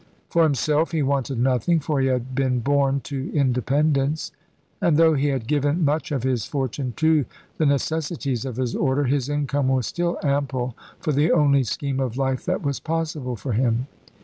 For himself he wanted nothing, for he had been born to independence; and though he had given much of his fortune to the necessities of his Order, his income was still ample for the only scheme of life that was possible for him.